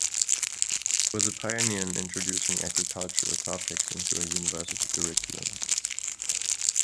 He was a pioneer in introducing agricultural topics into a university curriculum.